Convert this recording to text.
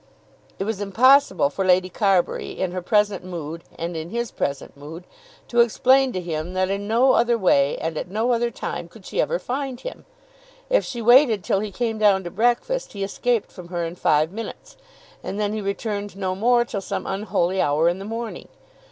It was impossible for Lady Carbury, in her present mood, and in his present mood, to explain to him that in no other way and at no other time could she ever find him. If she waited till he came down to breakfast, he escaped from her in five minutes, and then he returned no more till some unholy hour in the morning.